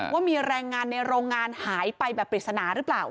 ว่ามีแรงงานในโรงงานหายไปแบบปริศนาหรือเปล่า